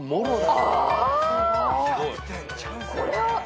これは。